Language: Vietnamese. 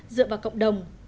dựa vào cộng đồng